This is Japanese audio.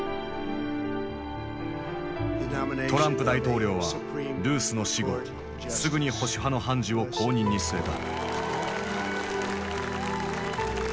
トランプ大統領はルースの死後すぐに保守派の判事を後任に据えた。